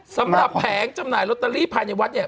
สำหรับแผงจำหน่ายโรตเตอรี่ภายในวัฒน์เนี่ย